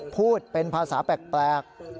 พูดเป็นภาษาแปลก